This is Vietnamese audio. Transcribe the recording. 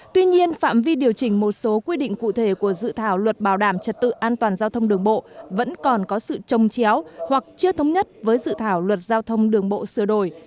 tuy nhiên phạm vi điều chỉnh một số quy định cụ thể của dự thảo luật bảo đảm trật tự an toàn giao thông đường bộ vẫn còn có sự trông chéo hoặc chưa thống nhất với dự thảo luật giao thông đường bộ sửa đổi